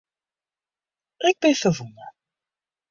Ik bin ferwûne.